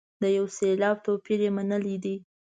د یو سېلاب توپیر یې منلی دی.